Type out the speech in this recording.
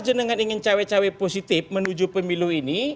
jangan ingin cawe cawe positif menuju pemilu ini